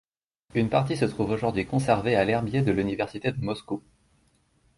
Une partie se trouve aujourd'hui conservée à l'herbier de l'université de Moscou.